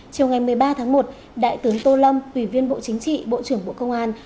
chiều ngày một mươi ba tháng một đại tướng tô lâm ủy viên bộ chính trị bộ trưởng bộ công an